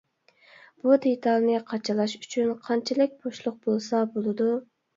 بۇ دېتالنى قاچىلاش ئۈچۈن قانچىلىك بوشلۇق بولسا بولىدۇ.